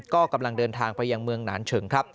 ก็กำลังเดินทางไปยังเมืองหนานเฉิงครับ